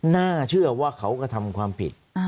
น่าเชื่อว่าเขากระทำความผิด